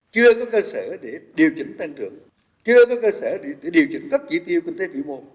chưa có cơ sở để điều chỉnh tăng trưởng chưa có cơ sở để điều chỉnh các chỉ tiêu kinh tế vĩ mô